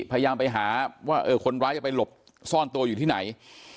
พยายามไปหาว่าคนร้ายจะไปหลบซ่อนตัวอยู่ที่ไหน